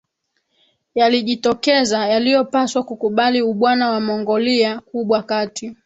yalijitokeza yaliyopaswa kukubali ubwana wa Wamongolia Kubwa kati